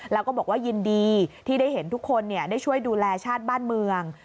แล้วก็บอกว่ายินดีที่ได้เห็นทุกคนได้ช่วยดูแลชาติบ้านเมือง